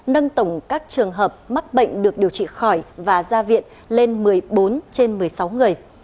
nâng tổng các trường hợp mắc bệnh được điều trị khỏi và ra viện lên một mươi bốn trên một mươi sáu người